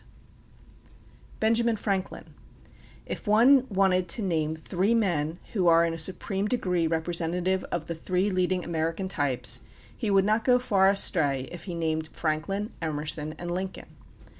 Dunlap 1806] BENJAMIN FRANKLIN If one wanted to name three men who are in a supreme degree representative of three leading American types, he would not go far astray if he named Franklin, Emerson, and Lincoln.